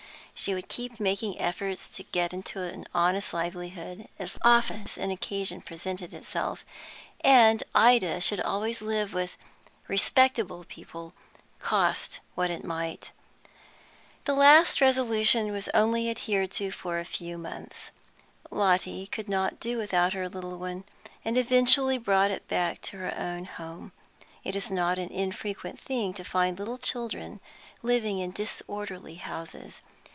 She would keep making efforts to get into an honest livelihood as often as an occasion presented itself; and Ida should always live with "respectable" people, cost what it might. The last resolution was only adhered to for a few months. Lotty could not do without her little one, and eventually brought it back to her own home. It is not an infrequent thing to find little children living in disorderly houses.